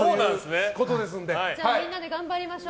みんなで頑張りましょう。